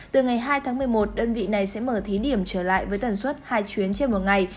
từ ngày hai tháng một mươi một đơn vị này sẽ mở thí điểm trở lại với tần suất hai chuyến trên một ngày